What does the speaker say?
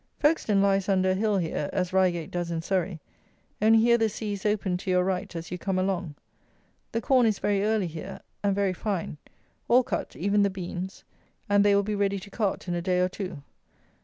Folkestone lies under a hill here, as Reigate does in Surrey, only here the sea is open to your right as you come along. The corn is very early here, and very fine. All cut, even the beans; and they will be ready to cart in a day or two.